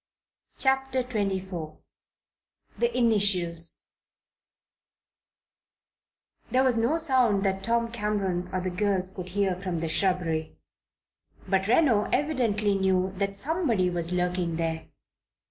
CHAPTER XXIV THE INITIALS There was no sound that Tom Cameron or the girls could hear from the shrubbery; but Reno evidently knew that somebody was lurking there.